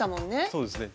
そうですね。